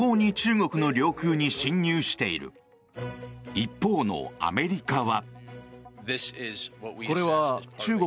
一方のアメリカは。